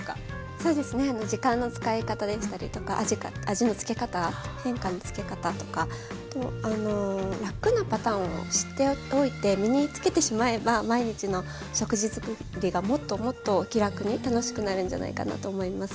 そうですね時間の使い方でしたりとか味の付け方変化のつけ方とか楽なパターンを知っておいて身につけてしまえば毎日の食事作りがもっともっと気楽に楽しくなるんじゃないかなと思います。